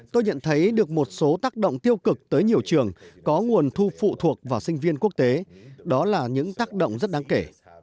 tôi nhận thấy được một số tác động tiêu cực tới nhiều trường có nguồn thu phụ thuộc vào sinh viên quốc tế đó là những tác động rất đáng kể